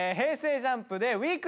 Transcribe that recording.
ＪＵＭＰで『ウィークエンダー』。